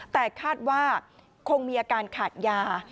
แต่คาดว่าคงมีอาการขาดยา